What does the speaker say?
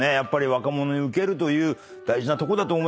若者にウケるという大事なとこだと思います。